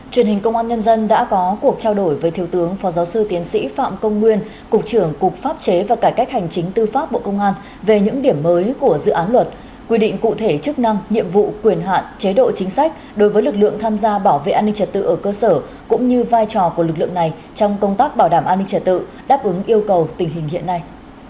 truyền hình công an nhân dân đã có cuộc trao đổi với thiếu tướng phó giáo sư tiến sĩ phạm công nguyên cục trưởng cục pháp chế và cải cách hành chính tư pháp bộ công an về những điểm mới của dự án luật quy định cụ thể chức năng nhiệm vụ quyền hạn chế độ chính sách đối với lực lượng tham gia bảo vệ an ninh trật tự ở cơ sở cũng như vai trò của lực lượng này trong công tác bảo đảm an ninh trật tự đáp ứng yêu cầu tình hình hiện nay